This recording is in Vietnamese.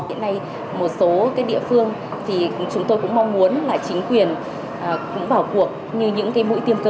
hiện nay một số địa phương thì chúng tôi cũng mong muốn là chính quyền cũng vào cuộc như những cái mũi tiêm cơ